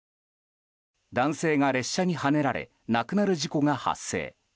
男性が列車にはねられ亡くなる事故が発生。